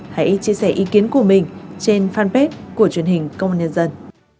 hãy chia sẻ ý kiến của mình trên fanpage của truyền hình công an nhân dân